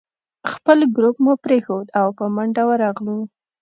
خپل ګروپ مو پرېښود او په منډه ورغلو.